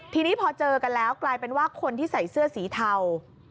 ทีนี้พอเจอกันแล้วกลายเป็นว่าคนที่ใส่เสื้อสีเทา